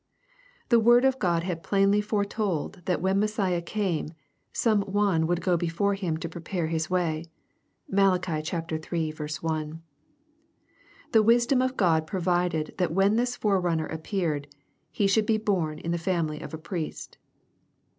The word of God had plainly foretold that when Messiah came, some one would go before him to prepare his way. (Malachi iii. 1.) The wisdom of God provided that when this forerunner ap peared, he should be born in the family of a priest.